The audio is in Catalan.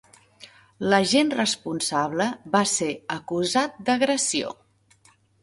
L'agent responsable va ser acusat d'agressió.